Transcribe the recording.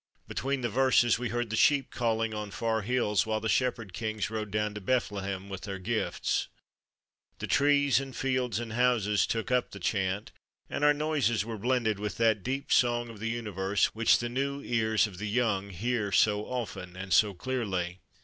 Between the verses we heard the sheep calling on far hills while the shepherd kings rode down to Bethlehem with their gifts. The trees and fields and houses took up the chant, and our noises were blended with that deep song of the Universe which the new ears of the young 72 THE DAY BEFORE YESTERDAY hear so often and so clearly.